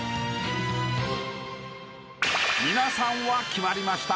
［皆さんは決まりましたか？］